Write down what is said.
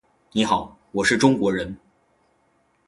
你好，我是中国人。